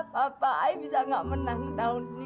papa ayah bisa gak menang ketahuan ini